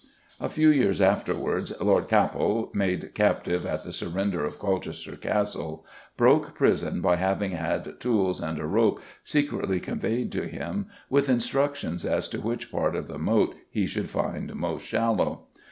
A few years afterwards, Lord Capel, made captive at the surrender of Colchester Castle, broke prison by having had tools and a rope secretly conveyed to him with instructions as to which part of the Moat he should find most shallow.